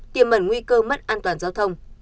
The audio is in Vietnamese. tiềm mẩn nguy cơ mất an toàn giao thông